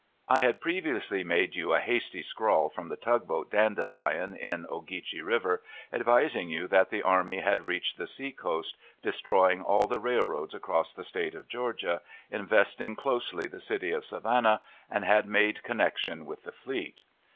I had previously made you a hasty scrawl from the tugboat Dandelion, in Ogeechee River, advising you that the army had reached the sea coast, destroying all the railroads across the State of Georgia, investing closely the city of Savannah, and had made connection with the fleet.